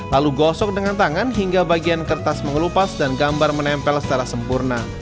lalu gosok dengan tangan hingga bagian kertas mengelupas dan gambar menempel secara sempurna